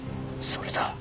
それだ！